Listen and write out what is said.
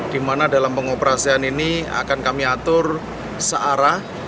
di mana dalam pengoperasian ini akan kami atur searah